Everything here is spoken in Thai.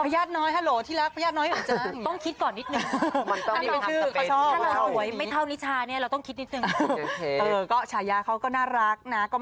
พยาดน้อยฮัลโหลที่รักพยาดน้อยหน่อยจัง